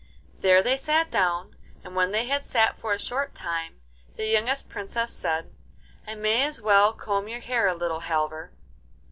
There they sat down, and when they had sat for a short time the youngest Princess said, 'I may as well comb your hair a little, Halvor.